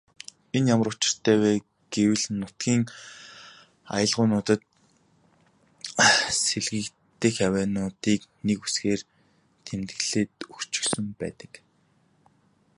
Энэ ямар учиртай вэ гэвэл нутгийн аялгуунуудад сэлгэгдэх авиануудыг нэг үсгээр тэмдэглээд өгчихсөн байдаг.